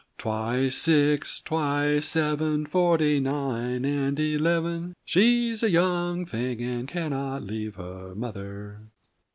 Twice six, twice seven, Forty nine and eleven She's a young thing, and cannot leave her mother."